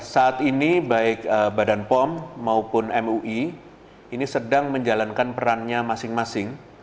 saat ini baik badan pom maupun mui ini sedang menjalankan perannya masing masing